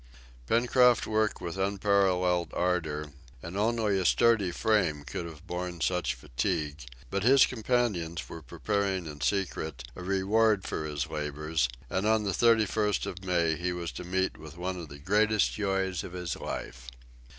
Pencroft worked with unparalleled ardor, and only a sturdy frame could have borne such fatigue; but his companions were preparing in secret a reward for his labors, and on the 31st of May he was to meet with one of the greatest joys of his life.